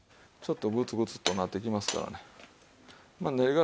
ちょっとグツグツとなってきますからね。